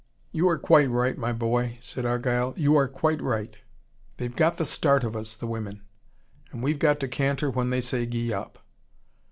"You are quite right, my boy," said Argyle. "You are quite right. They've got the start of us, the women: and we've got to canter when they say gee up.